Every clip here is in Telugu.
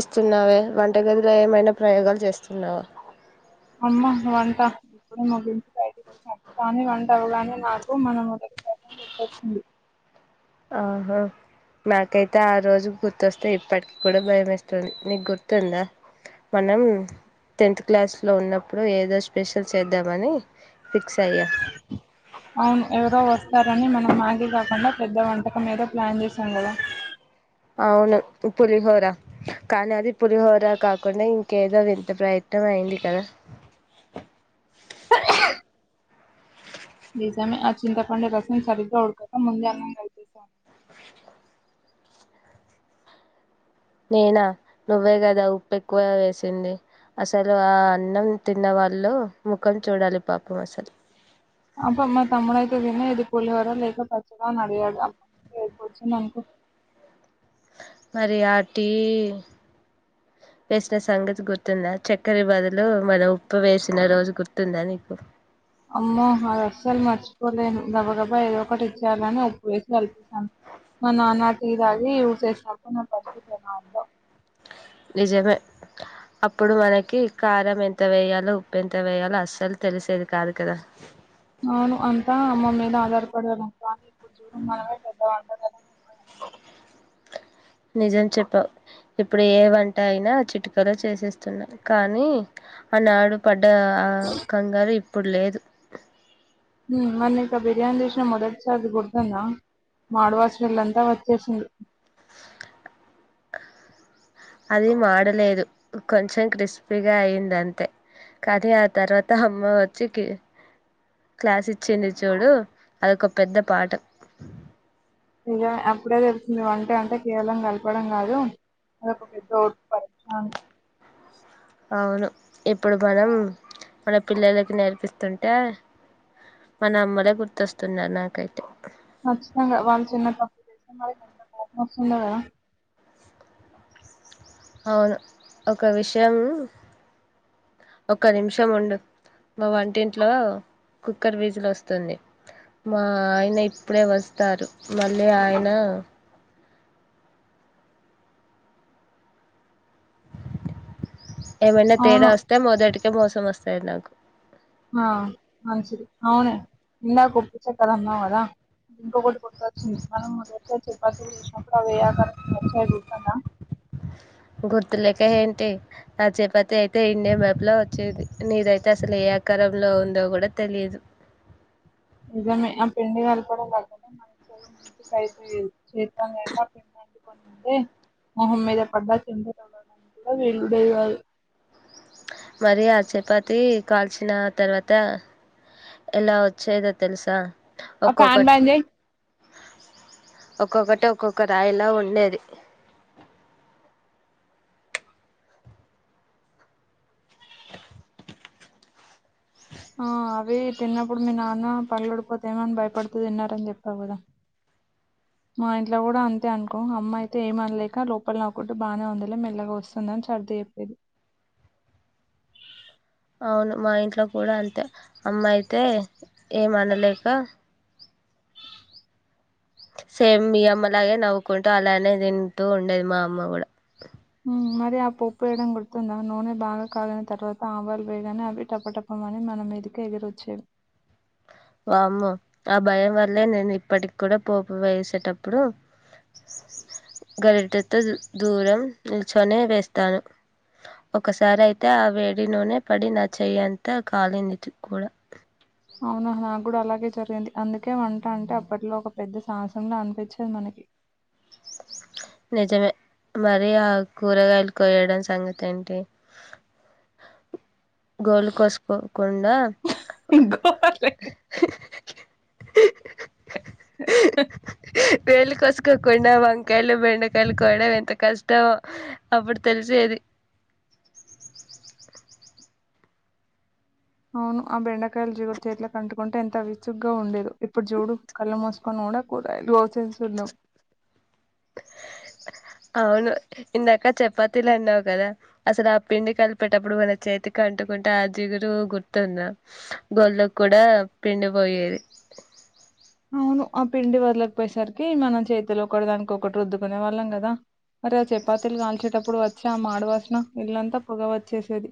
ఇస్తున్నావే వంట గదిలో ఏమైనా ప్రయోగాలు చేస్తున్నావా అమ్మ వంట ఇప్పుడు ముగించి బయటికి వచ్చాను కానీ వంట అవగానే నాకు మన మొదటి [unintelligible] గుర్తొచ్చింది ఆహా నాకైతే ఆ రోజు గుర్తొస్తే, ఇప్పటికి కూడ భయమేస్తుంది, నీకు గుర్తుందా మనం తెంత్ క్లాస్లో ఉన్నప్పుడు ఏదో స్పెషల్ చేద్దామని, ఫిక్స్ అయ్యా అవును ఎవరో వస్తారని మనం ఆగే కాకుండా పెద్ద వంటకం ఏదో ప్లాన్ చేశాం కదా అవును పు పులిహోర కానీ అది పులిహోర కాకుండా, ఇంకేదో వింత ప్రయత్నం అయింది. కదా నిజమే ఆ చింతపండు రసం సరిగ్గా ఉడక ముందే అన్నం కలిపసాం నేనా నువ్వే కదా ఉప్పు ఎక్కువ వేసింది, అసలు ఆ అన్నం తిన్న వాళ్ళు ముఖం చూడాలి పాపం అసలు అబ్బా మా తమ్ముడుఅయి ఇదేనా ఏది పోలివార లేక పచ్చడ అని అడిగాడు, అం ఏడపొచ్చిందనుకో మరి ఆ టీ వేసిన సంగతి గుర్తుందా, చక్కర బదులు, మన ఉప్పు వేసిన రోజు గుర్తుందా నీకు అమ్మో అది అసలు మర్చిపోలేను, గబ గబా ఏదో ఒకటి ఇచ్చేయాలని, ఉప్పు వేసి కల్పేసాను. మా నాన్న టీతాగి ఉడ్చేసినప్పుడు నా పరిస్థితి [unintelligible] నిజమే అప్పుడు మనకి కారం ఎంత వేయాలో, ఉప్పు ఎంత వేయాలో, అస్సలు తెలిసేది కాదు కదా అవును అంతా అమ్మ మీద ఆదార్పాడెవాలం, కానీ ఇప్పుడు చూడు, మనమే పెద్ద వంట [unintelligible] నిజం చెప్పావ్, ఇప్పుడు ఏ వంట అయినా చిటుకలో చేసేస్తున్నాం, కానీ ఆనాడు పడ్ డా కంగారు ఇప్ ఇప్పుడు లేదు హ్మ్ మర్నింటో బిర్యానీ చేసిన మొదటి సారి గుర్తుతుందా. మాడు వాసనా ఇల్లంతా వచ్చేసింది. అది మాడలేదు కొంచెం క్రిస్పీగా అయింది. అంతే కానీ ఆ తర్వాత అమ్మ వచ్చి కి క్లాస్ ఇచ్చింది. చూడు అదొక పెద్ద పాఠం ఇయ అప్పుడే తెలుసింది వంటే అంటే కేవలం కలపడం కాదు అదొక పెద్ద [unintelligible] పరీక్షాని అవును ఇప్పుడు, మనం మన పిల్లలకి నేర్పిస్తుంటే, మన అమ్మలే గుర్తొస్తున్నారు. నాకైతే హ్ నచ్చితంగా వాళ్ళు చిన్న తప్పు జేస్నం, వాళ్ళకి ఎంత కోపం వస్తుందో కదా అవును ఒక విషయం ఒక నిమిషం ఉండు మా వంటింట్లో కుక్కర్ బీజిలు వస్తుంది. మా ఆయన ఇప్పుడే వస్తారు. మళ్ళీ ఆయన ఏమైనా తేడా అవును వస్తే మొదటిక్ కే మోసం వస్తాయి నాకు మ్మా మంచిది అవును ఇందాక ఉప్పి చెక్కెర ఉన్నాయి. కదా ఇప్పుడు ఇంకొకటి పొట్టొచ్చింది మనం ముందొచ్చే చపాతీలు చేసినప్పుడు అవి ఏ ఆకారంలో వచ్చినాయో గుర్తుందా టి ఆ చపాతి అయితే ఇండియా మ్యాప్ లా వచ్చేది నీదైతే అసలు ఏ అకారంలో ఉందో కూడా తెలియదు నిజమే ఆ పిండి గలపడం [inaudible] మొహం మీద పడ్డా [inaudible] కూడా వీలుండేది కాదు మరి ఆ చపాతి కాల్చిన తర్వాత ఎలా వచ్చేదో తెలుసా ఆ ఫ్యాన్ ఒక్కొక్కటి బంద్ జేయ్ ఒక్కొక్కటి ఒక్కొక్క రాయిలా ఉండేది. [unintelligible] ఆ అవి తిన్నప్పుడు మీ నాన్న పళ్ళుడిపోతేమోని భయపడుతూ తిన్నారని చెప్పావు కదా. మా ఇంట్లో కూడా అంతే అనుకో అమ్ అయితే ఏమనలేక లోపల అవ్కు బాగానే ఉందిలే మెల్లగా వస్తుందని సర్ది చెప్పేది. అవును మా ఇంట్లో కూడా అంతే అమ్మా అయితే ఏమనలేక సేమ్ మి అమ్మ లాగే న ఒకుంటూ అలానే తింటూ ఉండేది మా అమ్మ కూడా. మరి ఆ పప్పు వేయడం గుర్తుందా. ఆ నూనె బాగా కాగిన తర్వాత ఆవాలు వేయగానే అవి టపటపమని మన మీదకి ఎగిరొచ్చావి. వామ్మో ఆ భయం వర అలే నేను ఇప్పటికి కూడా పోపు వేసేటప్పుడు గరిటతో దూరం ని చొనే వేస్తాను. ఒకసారి అయితే ఆ వేడి నూనె పడి నా చెయ్యంత కాలింది కూడా ఇప్పుడు అలాగే జరిగింది. అందుకే వంట అంటే అప్పట్లో ఒక పెద్ద సాహసంలో అనిపించేది మనకి. నిజమే మరి ఆ కూరగాయలు కోయడం సంగతి ఏంటి. గోల్ కోసుకోకుండా హుహుహు గోర్లకి వేళ కోసుకోకుండా వం కలు వె కలుకోవడం ఎంత కష్టమో అప్పుడు తెలిసేది. అవును ఆ బెండకాయలు జగురి చేట్ల కంటుకుంటే ఎంత విసుగ్గా ఉండేదు. ఇప్పుడు జోడు కళ్ళు మోసుకొని కూడా కూరగాయలు కోసేస్తుంటాం. [unintelligible] అవును ఇందక చప్పతిలు అన్నావు కదా. అసలు ఆ పిండి కలిపేటప్పుడు మన చేతికి అంటుకుంటే ఆ జిగురు గుర్తుంద. గోర్లు కు కూడా పిండి పోయేది. ప్పేసరికి మనం చేతులు ఒకటి దానికి ఒకటి రుద్దుకునే వాళ్ళం కదా. మరే ఆ చపాతీలు కాల్చేటప్పుడు వ చ మాడవాసన ఇల్లంతా పొగ వచ్చేసేది.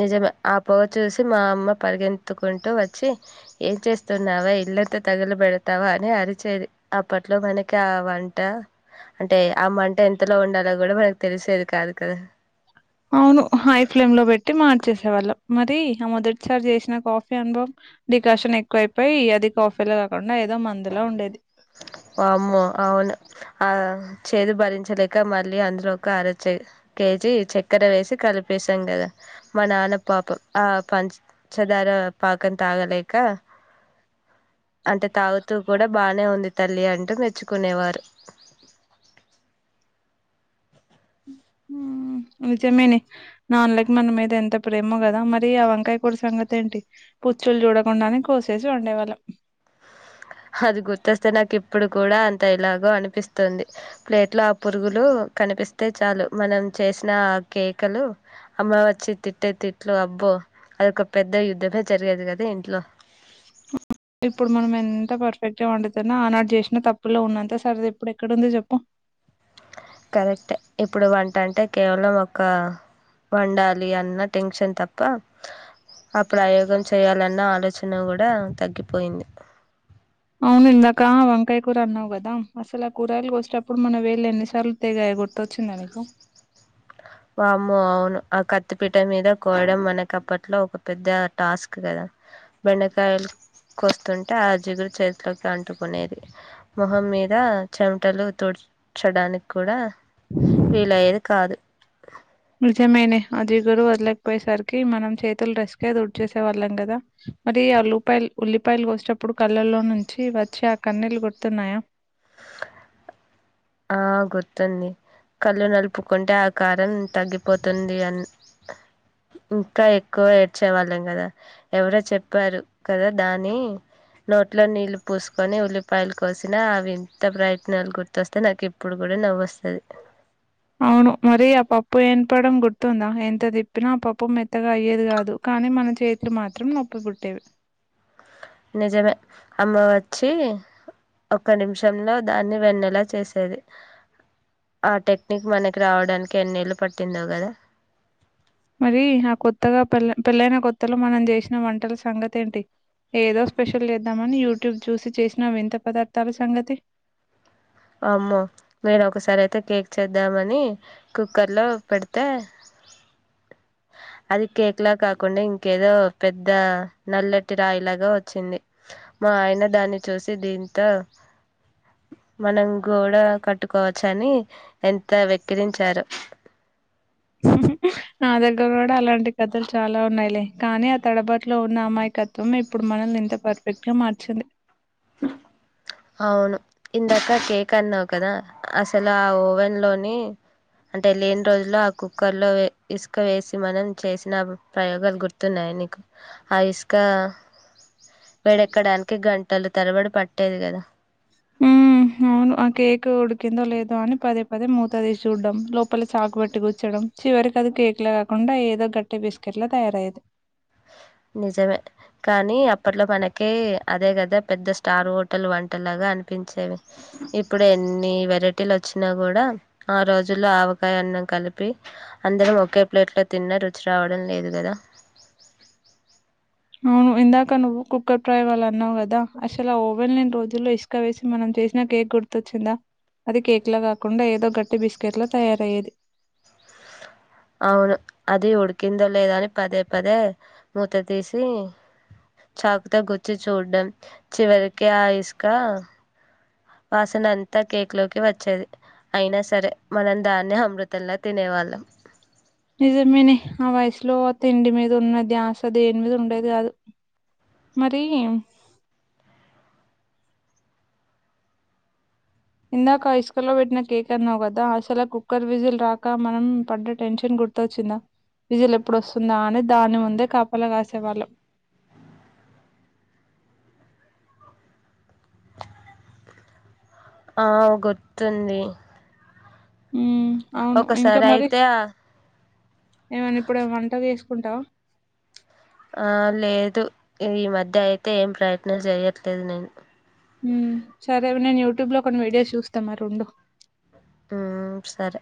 నిజమె ఆ పొగ చూసి మా అమ్మ పరిగె ఏత్తుకుంటూ వచ్చి ఏం చేస్తున్నావె ఇల్లంత తగిలి పెడతావా అని అరిచేది. అప్పట్లో మనకి ఆ వంట అంటే ఆ మంట ఎంతలో ఉండాలో కూడా మనకు తెలిసేది కాదు కదా. అవును హై ఫ్లేమ్ లో పెట్టి మ వచ్చేసేవాళ్ళం మరి ఆ మొదటిసారి చేసిన కాఫీ అనుభవం డికాషన్ ఎక్కువ అయిపోయి, అది కాఫీలో కాకుండా ఏదో మందులో ఉండేది. వమ్మో అవును ఆ చేదు భరించలేక మళ్ళీ అందులో ఒక అరచ కేజీ చక్కెర వేసి కలిపసాం కదా. మా నాన్న పాప ఆ పంచంచదార పాకం తాగలేక అంటే తాగుతూ కూడా బాగా లె ఉంది తల్లి అంటూ మెచ్చుకునేవారు. ఊ నిజమేనే నాన్నలకి మన మీద ఎంత ప్రేమో కదా మరి ఆ వంకాయ కూర సంగతి ఏంటి పుచ్చులు చూడకుండానే కోసేసి వండేవాళ్ళం అది గుర్తొస్తే నాకిప్పుడు కూడా అంత ఇలాగో అనిపిస్తుంది ప్లేట్లో ఆ పురుగులు కనిపిస్తే చాలు మనం చేసిన ఆ కేకలు అమ్మ వచ్చి తిట్టే తిట్లు అబ్బో అదొక పెద్ద యుద్ధమే జరిగేది కదా ఇంట్లో ఇప్పుడు మనం ఎంత పర్ఫెక్ట్ గా వండితున్నా ఆనాడు చేసినా తప్పుల్లో ఉన్నంత సరద ఇప్పుడు ఎక్కడుంది చెప్పు కరెక్ట్ ఇప్పుడు వన్ టంటే కేవలం ఒక వండాలి అన్న టెన్షన్ తప్ ప్ప ఆ ప్రయోగం చేయాలన్న ఆలోచ తున్న కూడా తగ్గిపోయింది అవును ఇందాక వం కాయ కూర అన్నావు గదా అసలు ఆ కూరయలు వచ్చేటప్పుడు మనం వేళు ఎన్నిసార్లు తెగాయో గుర్తొచ్చిందా నీకు వామో అవును ఆ కత్ త్తిపీట మీద కోయడం మనకప్పట్లో ఒక పెద్ద టాస్క్ కదా బెండకాయలు కోస్తు తుంటే ఆ జిగురు చేతులుకి అంటుకునేది మొహం మీద చం ట్టలు తోడ్చడానికి కూడా వీలయ్యేది కాదు నిజమేనే ఆ జిగురు వదలేకపోయేసరికి మనం చేతులు డ్రస్కె దుడ్చేసేవాళ్ళం కదా మరి ఆల్లుపాయలు ఉల్లిపాయలు కోసేటప్పుడు కళ్ళల్లో నుంచి వచ్చే ఆ కన్నీళ్లు గుడుతున్నాయా ఆ గుర్తుంది కళ్ళు నలుపుకుంటే ఆ కారం తగ్గిపోతుంది అని ఇంకా ఎక్కువ ఏడ్చేవాళ్ళం కదా ఎవరో చెప్పారు కదా దాని నోట్లో నీళ్లు పోసుకొని ఉల్లిపాయలు కో కోసినా అవి వింత ప్రయత్నాలు గుర్తొస్ తె నాకు ఇప్పుడు గూడా నవ్వొస్తది అవును మరి అ పాప్ ప్పు ఎనపడం గుర్తుందా ఎంత తిప్పినా ఆ పప్పు మెత్తగా అయ్యేది గాదు కానీ మన చేతిలు మాత్రం నొప్పి పుట్టేవి నిజమే అమ్మ వచ్చి ఒక్క నిమిషంలో దాన్ని వెన్నెలా చేసేది ఆ టెక్నిక్ మనకి రావడానికి ఎన్నేళ్లు పట్ తిన్నావు కదా మరి ఆ కొత్తగా పల్ల పెళ్ళైన కొత్తలో మనం చేసిన వంటల సంగతి ఏంటి ఏదో స్పెషల్ చేద్దామని యూట్యూబ్ చూసి చేసిన వింత పదార్థాల సంగతి వామ్మో నేను ఒకసారి అయితే కేక్ చేద్దామని కుక్కర్లో పెడితే అది కేక్ లా కాకుండా ఇంకేదో పెద్ద నల్లటి రాయి లాగా వచ్చింది మా ఆయన దాన్ని చూసి దీన్ తో మనం గోడ కట్టుకోవచ్చని ఎంత వెక్కిరించారో నా దగ్గర కూడా అలాంటి కథలు చాలా ఉన్నాయిలే కానీ ఆ తడబాట్లో ఉన్న అమాయకత్వం ఇప్పుడు మనల్ని ఇంత పర్ఫెక్ట్ గా మార్చింది అవును ఇందాక కేక్ అన్నావ్ కదా అసలు ఆ ఓవెన్ లోనే అంటే లేని రోజుల్లో ఆకు కర్లో వే ఇస్క వేసి మనం చేసిన ప్రయోగాలు గుర్తున్నాయా నీకు ఆ ఇస్క వేడి ఎక్కడానికి గన్ టలు తరబడి పట్టేది కదా ఊ అవును ఆ కేక్ ఉడికిందో లేదో అని పదే పదే మూత తీసి చూడ్డం లోపల చాకు బెట్టి గుచ్చడం చివరికి అది కేక్ లా కాకుండా ఏదో గట్టి బిస్కెట్లా తయారయ్యేది నిజమే కానీ అప్పట్లో మనకి ఏ అదే కదా పెద్ద స్టార్ హోటల్ వంట లాగా అనిపించేవి ఇప్పుడు ఎన్ని వరైటీలో వచ్చినా కూడా ఆ రోజుల్లో ఆవకాయ అన్నం కలిపి అందరం ఒకే ప్లేట్లో తిన్న రుచి రావడం లేదు కదా అవును ఇందాక నువ్వు కుక్కర్ ప్రయోగాలు అన్నావు కదా అసలు ఆ ఓవెన్ లేని రోజుల్లో ఇసక వేసి మనం చేసిన కేక్ గుర్తొచ్చిందా అది కేక్ ల కాకుండా ఏదో గట్టి బిస్కెట్ లో తయారయ్యేది అవును అది ఉడికిందో లేదో అని పదే పదే మూత తీసి చాకుతో గుచ్చి చూడ్డం చివరికి ఆ ఇస్ కా వాసనంతా కేక్ లోకి వచ్చేది అయినా సరే మనం దాన్నే అమృతలా తినేవాళ్ళం నిజమేనే ఆ వయసు స్లో తిండి మీద ఉన్న ధ్యాస దేని మీద ఉండేది కాదు మరి ఇందాక హై స్కూల్ లో పెట్టిన కేక్ తన్నావు కదా అసలు ఆ కుక్కర్ విజిల్ రాక మనం పడ్డ టెన్షన్ గుర్తొచ్చిందా విజిల్ ఎప్పుడు వస్తుందా అని దాని ముందే కాపలా కాసేవాళ్ళం ఆ గుర్తుంది ఊ అవును ఇంకా ఒకసారి మరి అయితే ఆ ఏమన్నా ఇప్పుడు ఏ వంట చేసు ఉంటావ్ ఆ లేదు ఈ మధ్య అయితే ఏం ప్రయత్నం చేయట్లేదు నేను ఊ సరే నేను యూట్యూబ్ లో కొన్ని వీడియోస్ చూస్తా మరి ఉండు ఊ సరే